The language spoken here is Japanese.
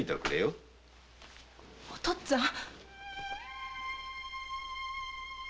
お父っつぁん。